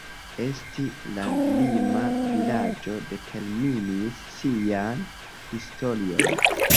Esti landlima vilaĝo determinis sian historion.